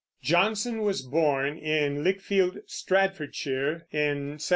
Johnson was born in Lichfield, Staffordshire, in 1709.